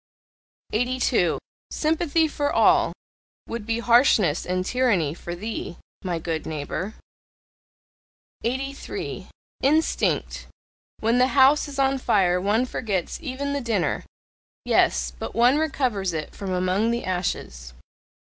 82. "Sympathy for all" would be harshness and tyranny for THEE, my good neighbour. 83. INSTINCT When the house is on fire one forgets even the dinner Yes, but one recovers it from among the ashes.